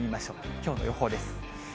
きょうの予報です。